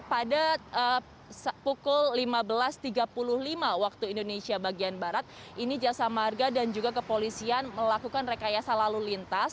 pada pukul lima belas tiga puluh lima wib ini jasa marga dan juga kepolisian melakukan rekayasa lalu lintas